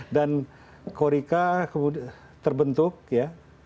dan korika terbentuk ya